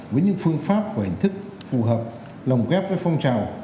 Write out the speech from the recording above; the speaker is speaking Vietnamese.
với những phương pháp và hình thức phù hợp lồng ghép với phong trào